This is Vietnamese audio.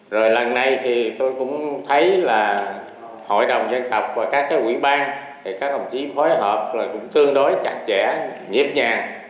rồi lần này thì tôi cũng thấy là hội đồng dân tộc và các cái quỹ ban thì các công chí khói họp rồi cũng tương đối chặt chẽ nhiệm nhàng